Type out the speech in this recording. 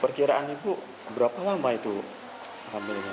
perkiraan ibu berapa lama itu hamil